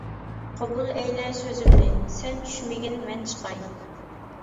قوبۇل ئەيلە سۆزۈمنى، سەن چۈشمىگىن مەن چىقاي.